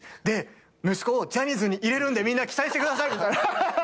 で息子をジャニーズに入れるんでみんな期待してください！